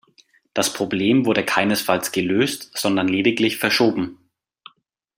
Das Problem wurde keinesfalls gelöst, sondern lediglich verschoben.